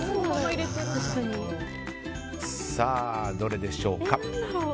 さあ、どれでしょうか。